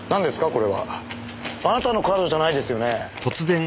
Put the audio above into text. これは。あなたのカードじゃないですよね？